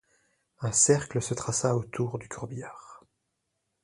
Un cercle se traça autour du corbillard.